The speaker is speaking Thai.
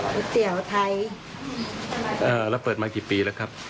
เตี๋ยวไทยเอ่อแล้วเปิดมากี่ปีแล้วครับ